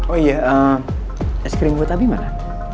oh iya es krim buat tapi mana